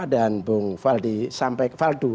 dan bung faldu